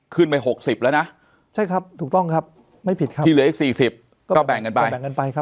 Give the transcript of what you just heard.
ขึ้นไป๖๐แล้วนะใช่ครับถูกต้องครับไม่ผิดครับที่เหลืออีก๔๐ก็แบ่งกันไป